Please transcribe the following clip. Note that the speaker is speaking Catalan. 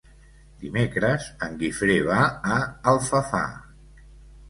Dimecres en Guifré va a Alfafar.